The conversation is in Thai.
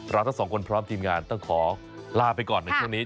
ทั้งสองคนพร้อมทีมงานต้องขอลาไปก่อนในช่วงนี้